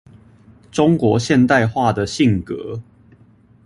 中國現代化的性格